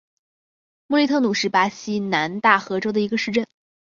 穆利特努是巴西南大河州的一个市镇。